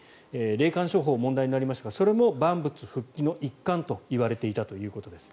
霊感商法が問題になりましたがそれも万物復帰の一環と言われていたということです。